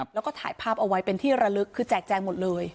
แล้วก็ถ่ายภาพเอาไว้เป็นที่ระลึกคือแจกแจงหมดเลย